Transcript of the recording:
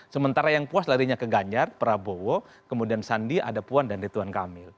sementara yang puas larinya ke ganjar prabowo kemudian sandi ada puan dan rituan kamil